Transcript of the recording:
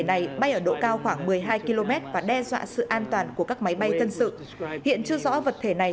này bay ở độ cao khoảng một mươi hai km và đe dọa sự an toàn của các máy bay thân sự hiện chưa rõ vật thể này